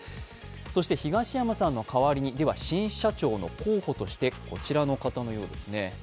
そして東山さんの代わりに新社長の候補としてこちらの方のようですね。